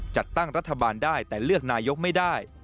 จัดตั้งรัฐบาลได้แต่เลือกนายกไม่ได้